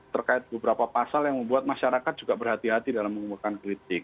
terkait beberapa pasal yang membuat masyarakat juga berhati hati dalam mengumpulkan kritik